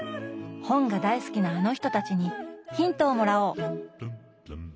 本が大好きなあの人たちにヒントをもらおう！